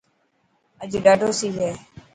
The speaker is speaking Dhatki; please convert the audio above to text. اڄ ڏاڌو سي هي.